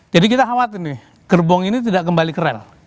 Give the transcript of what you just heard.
jadi kita khawatir nih gerbong ini tidak kembali ke rel